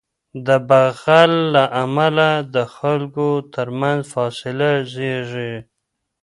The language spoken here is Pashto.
د بخل له امله د خلکو تر منځ فاصله زیږیږي.